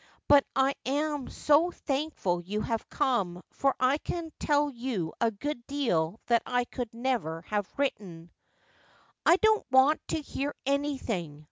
But I am so thankful you have come, for I can tell you a good deal that I could never have written.' ' I don't want to hear anything.